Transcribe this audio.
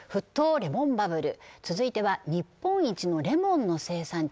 レモンバブル続いては日本一のレモンの生産地